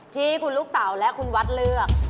ที่คุณลูกเต๋าและคุณวัดเลือก